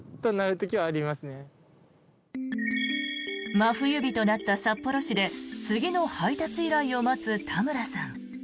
真冬日となった札幌市で次の配達依頼を待つ田村さん。